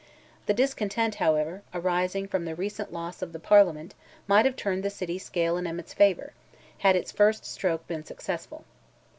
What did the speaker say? The discontent, however, arising from the recent loss of the Parliament might have turned the city scale in Emmet's favour, had its first stroke been successful.